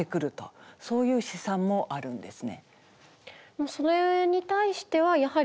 そういう試算もあるんですね。